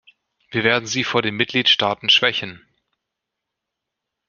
Wir werden Sie vor den Mitgliedstaaten schwächen.